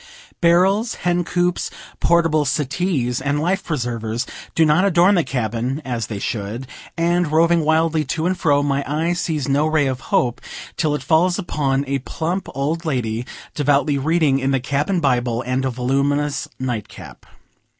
Barrels, hen coops, portable settees, and life preservers do not adorn the cabin, as they should; and, roving wildly to and fro, my eye sees no ray of hope till it falls upon a plump old lady, devoutly reading in the cabin Bible, and a voluminous night cap.